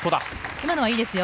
今のはいいですよ。